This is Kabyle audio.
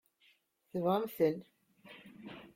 Tebɣamt-ten?